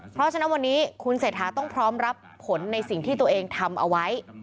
เพราะฉะนั้นวันนี้คุณเศรษฐาต้องพร้อมรับผลในสิ่งที่ตัวเองทำเอาไว้